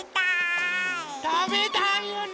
たべたいよね。